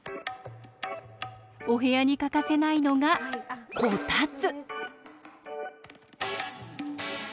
お部屋に欠かせないのがこたつ。